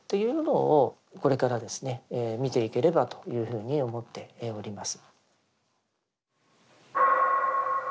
見ていければというふうに思っております。